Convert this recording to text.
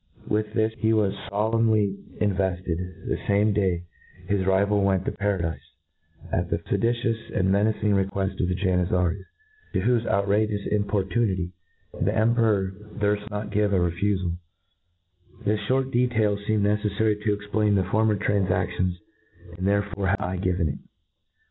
With this he was folemn ly invefted, the fame day his rival went to para dife, at the feditious and menacing requefl of the Janizaries, to whofe outrageous importunity the Em< I N T R O D y C T ion: 107 Emperor durft not give a refuiaL— r This ftiort detail feemcd ncceffary to cxplam the former tranfaaions, and therefore have I given it.